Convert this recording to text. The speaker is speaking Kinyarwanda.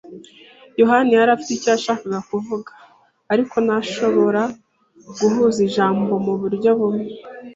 yohani yari afite icyo yashakaga kuvuga. Ariko, ntashobora guhuza ijambo muburyo bumwe.